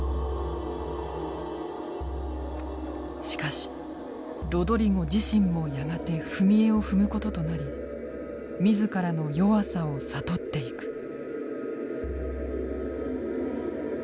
しかしロドリゴ自身もやがて踏み絵を踏むこととなり自らの弱さを悟っていく。